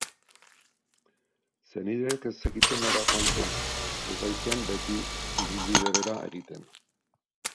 Senideek ez zekiten nora joan zen, ez baitzuen beti ibilbide bera egiten.